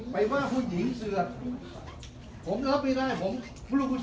เป็นว่าคุณเอ๋ว่าเสือกแล้วไม่ยอมก่อนจะพูด